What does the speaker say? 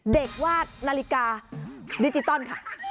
เด็กวาดนาฬิกาดิจิตอลค่ะ